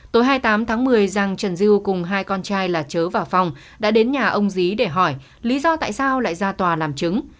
tối hai mươi tám tháng một mươi giàng trần dư cùng hai con trai là chớ và phong đã đến nhà ông dí để hỏi lý do tại sao lại ra tòa làm chứng